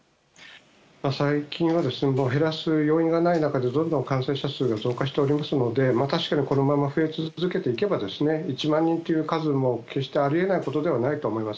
最近は減らす要因がない中でどんどん感染者数が増加しておりますので確かにこのまま増え続ければ１万人という数も決してあり得ないことではないと思います。